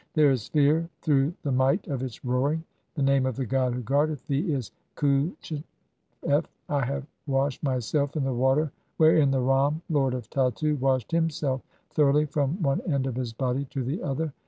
There is fear (35) through the might of its roaring. "The name of the god who guardeth thee is Khu tchet f. I have "washed myself in the water wherein the Ram, Lord of Tattu, "washed himself thoroughly from one end of his body to the "other.